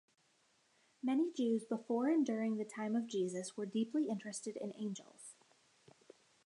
Many Jews before and during the time of Jesus were deeply interested in angels.